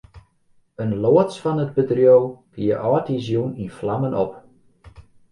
In loads fan it bedriuw gie âldjiersjûn yn flammen op.